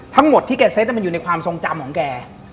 ทั้งหมดที่แกเซ็ตมันอยู่ในความทรงจำของแก